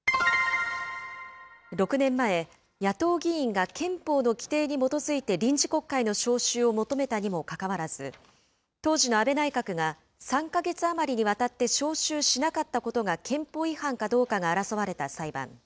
６年前、野党議員が憲法の規定に基づいて臨時国会の召集を求めたにもかかわらず、当時の安倍内閣が、３か月余りにわたって召集しなかったことが憲法違反かどうかが争われた裁判。